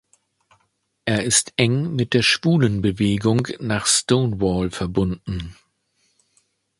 Es ist eng mit der Schwulenbewegung nach Stonewall verbunden.